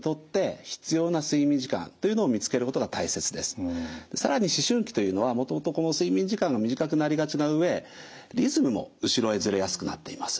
おおむね人によって更に思春期というのはもともと睡眠時間が短くなりがちな上リズムも後ろへずれやすくなっています。